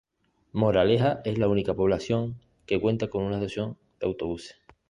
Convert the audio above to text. Moraleja es la única población que cuenta con una estación de autobuses.